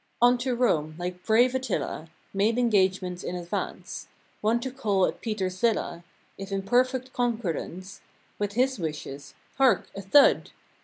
On to Rome, like brave Attila; Made engagements in advance. One to call at Peter's Villa, If in perfect concordance With his wishes. Hark! A thud!